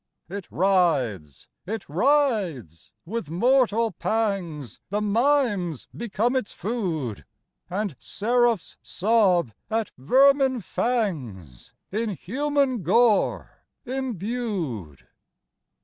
It writhes!—it writhes!—with mortal pangsThe mimes become its food, And seraphs sob at vermin fangsIn human gore imbued.